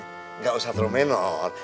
enggak usah terlalu menot